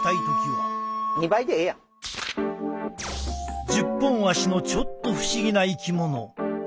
１０本足のちょっと不思議な生き物イカ。